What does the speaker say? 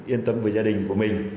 yên tâm với gia đình của mình